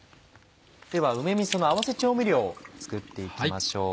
では梅みその合わせ調味料を作って行きましょう。